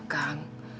gak ada apa apa kang